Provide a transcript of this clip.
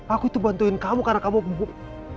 aku itu bantuin kamu karena kamu mabuk